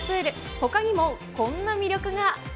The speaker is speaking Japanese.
ほかにもこんな魅力が。